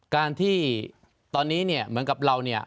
การที่ตอนนี้เนี่ยเหมือนกับเราเนี่ย